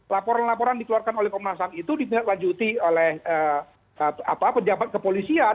laporan laporan dikeluarkan oleh komnas ham itu ditindaklanjuti oleh pejabat kepolisian